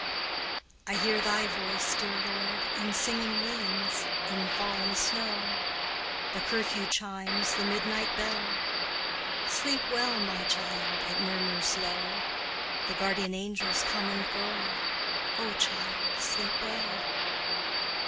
I hear Thy voice, dear Lord, In singing winds, in falling snow, The curfew chimes, the midnight bell. "Sleep well, my child," it murmurs low; "The guardian angels come and go, O child, sleep well!"